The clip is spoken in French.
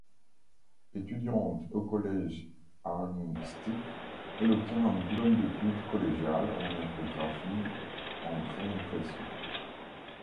Étudiante au Collège Ahuntsic, elle obtient un diplôme d'études collégiales en infographie en préimpression.